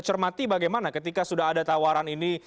cermati bagaimana ketika sudah ada tawaran ini